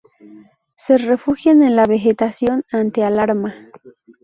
Se refugian en la vegetación ante alarma.